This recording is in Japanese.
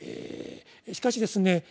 しかしですね